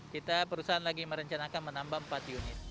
kita perusahaan lagi merencanakan menambah empat unit